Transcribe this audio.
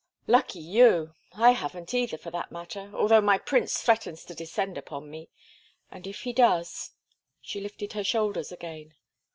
"Lucky you! I haven't either, for that matter, although my prince threatens to descend upon me; and if he does—" She lifted her shoulders again.